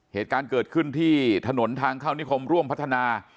เหตุการณ์เกิดขึ้นที่ถนนทางเข้านิคมร่วมพัฒนา